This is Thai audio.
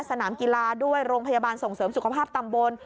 สนามกีฬาด้วยโรงพยาบาลส่งเสริมสุขภาพตำบล